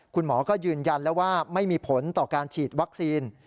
คุณหมอก็ยืนยันแล้วว่าไม่มีผลต่อการฉีดวัคซีน